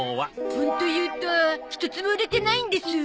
ホント言うと一つも売れてないんです。